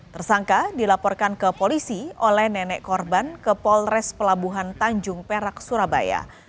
tersangka dilaporkan ke polisi oleh nenek korban ke polres pelabuhan tanjung perak surabaya